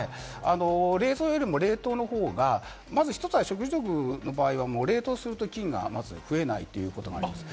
冷蔵よりも冷凍の方が、１つは食中毒の場合は冷凍すると菌が増えないということがあります。